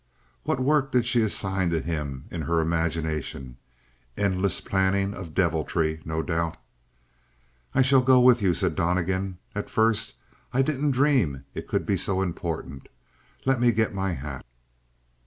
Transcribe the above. What work did she assign to him in her imagination? Endless planning of deviltry no doubt. "I shall go with you," said Donnegan. "At first I didn't dream it could be so important. Let me get my hat."